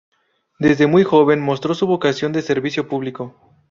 Desde muy joven mostró su vocación de servicio público.